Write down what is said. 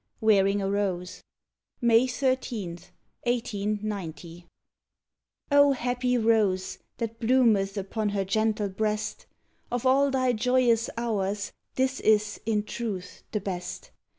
WEARING A ROSE (May 13, 1890) O happy rose that bloometh upon her gentle breast! Of all thy joyous hours, this is, in truth, the best!